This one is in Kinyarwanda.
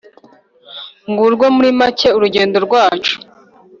ngurwo muri make urugendo rwacu.